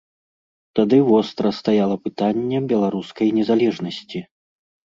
Тады востра стаяла пытанне беларускай незалежнасці.